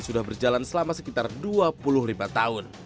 sudah berjalan selama sekitar dua puluh lima tahun